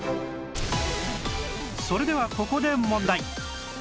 それではここで問題